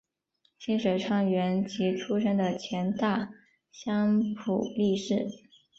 清水川元吉出身的前大相扑力士。